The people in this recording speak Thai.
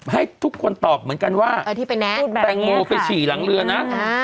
ให้ทุกคนตอบเหมือนกันว่าแตงโมไปฉี่หลังเรือนะ